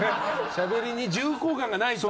しゃべりに重厚感がないと。